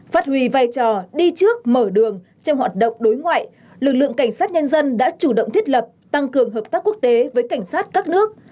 phát huy vai trò đi trước mở đường trong hoạt động đối ngoại lực lượng cảnh sát nhân dân đã chủ động thiết lập tăng cường hợp tác quốc tế với cảnh sát các nước